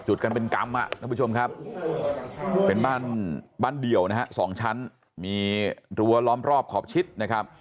จุดกันเป็นกรรมเป็นบ้านเดี่ยวนะครับ๒ชั้นมีรัวล้อมรอบขอบชิดนะครับ